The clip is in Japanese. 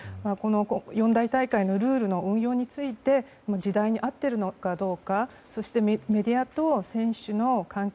四大大会のルールの運用について時代に合ってるのかどうかそして、メディアと選手の関係。